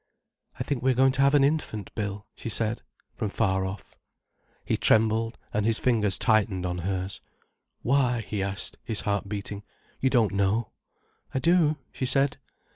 "I think we are going to have an infant, Bill," she said, from far off. He trembled, and his fingers tightened on hers. "Why?" he asked, his heart beating. "You don't know?" "I do," she said.